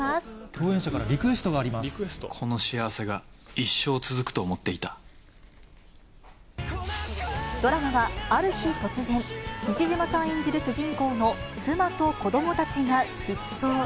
共演者からリクエストがありこの幸せが一生続くと思ってドラマは、ある日突然、西島さん演じる主人公の妻と子どもたちが失踪。